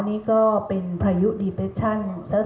สถิติประมาณ๖๐กว่าปีที่ผ่านมา